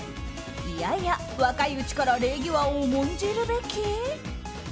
いやいや、若いうちから礼儀は重んじるべき？